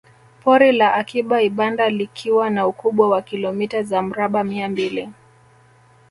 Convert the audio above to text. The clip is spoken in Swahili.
Pori la Akiba Ibanda likiwa na ukubwa wa kilomita za mraba mia mbili